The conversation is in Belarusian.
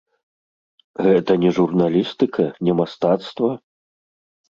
Гэта не журналістыка, не мастацтва?